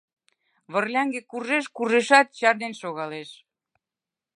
Вырляҥге куржеш-куржешат, чарнен шогалеш...